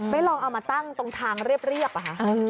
ลองเอามาตั้งตรงทางเรียบอะค่ะ